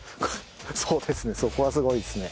そうですね